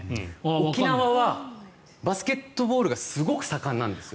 沖縄はバスケットボールがすごく盛んなんですよ。